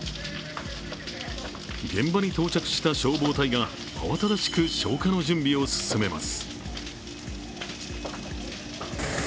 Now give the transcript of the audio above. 現場に到着した消防隊が慌ただしく消火の準備を進めます。